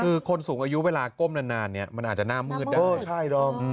คือคนสูงอายุเวลาก้มนานเนี่ยมันอาจจะหน้ามืดได้